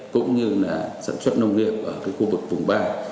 cũng như là sản xuất nông nghiệp ở khu vực vùng ba